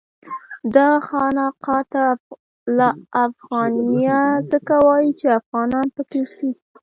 دغه خانقاه ته الافغانیه ځکه وایي چې افغانان پکې اوسېږي.